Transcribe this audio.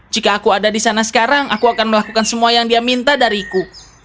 jika aku ada di sana sekarang aku akan melakukan semua yang dia minta dariku